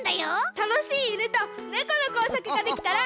たのしいいぬとねこのこうさくができたら。